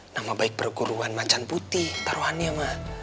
nama baik perguruan macan putih taruhannya